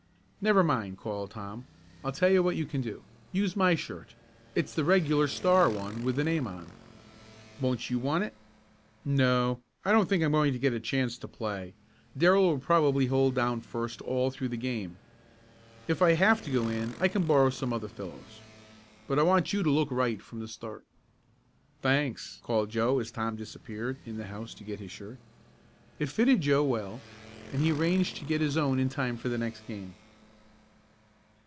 "Never mind!" called Tom. "I tell you what you can do. Use my shirt. It's the regular Star one, with the name on." "Won't you want it?" "No, I don't think I'm going to get a chance to play. Darrell will probably hold down first all through the game. If I have to go in I can borrow some other fellow's. But I want you to look right from the start." "Thanks," called Joe as Tom disappeared in the house to get his shirt. It fitted Joe well, and he arranged to get his own in time for the next game.